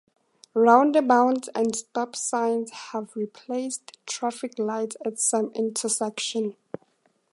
Roundabouts and stop signs have replaced traffic lights at some intersections.